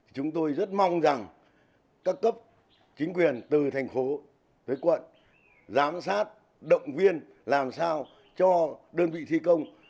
chúng tôi rất mong rằng các cấp chính quyền từ thành phố tới quận giám sát động viên làm sao cho đơn vị thi công